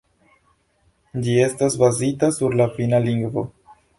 Ĝi estas bazita sur la Finna lingvo.